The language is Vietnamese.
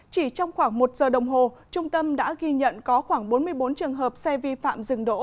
chỉ trong khoảng một giờ đồng hồ trung tâm đã ghi nhận có khoảng bốn mươi bốn trường hợp xe vi phạm dừng đỗ